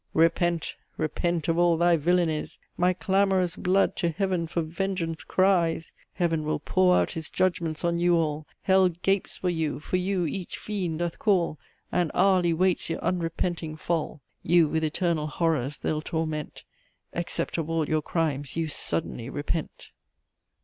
Repent, repent of all thy villanies. My clamorous blood to heaven for vengeance cries, Heaven will pour out his judgments on you all. Hell gapes for you, for you each fiend doth call, And hourly waits your unrepenting fall. You with eternal horrors they'll torment, Except of all your crimes you suddenly repent.